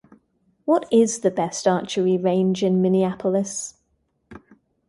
What is the best archery range in Minneapolis?